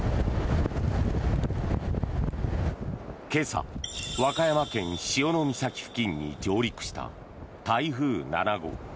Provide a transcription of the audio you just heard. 今朝、和歌山県・潮岬付近に上陸した台風７号。